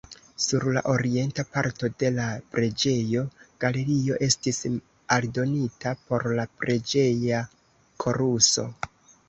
Sur la orienta parto de la preĝejo, galerio estis aldonita por la preĝeja koruso.